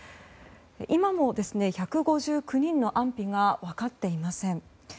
今も１５９人の安否が分かっていません。